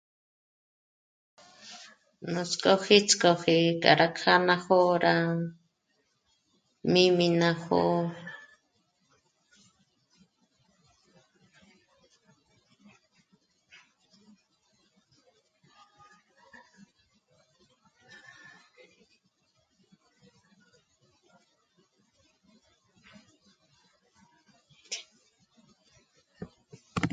Nuts'k'óji ts'k'oji rá kjǎnajo'o rá míjmi ná jó'o